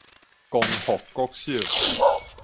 光復國小